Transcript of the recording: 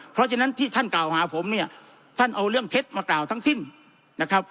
เพราะฉะนั้นที่ท่านกล่าวหาผมเนี่ยท่านเอาเรื่องเท็จมากล่าวทั้งสิ้นนะครับ